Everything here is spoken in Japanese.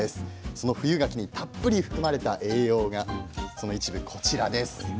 その富有柿にたっぷり含まれた栄養がその一部こちらです。